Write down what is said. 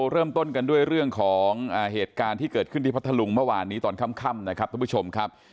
เริ่มต้นกันด้วยเรื่องของเหตุการณ์ที่เกิดขึ้นที่พัทธลุงเมื่อวานนี้ตอนค่ำนะครับทุกผู้ชมครับ